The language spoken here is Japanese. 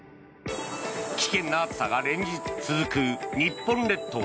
危険な暑さが連日続く日本列島。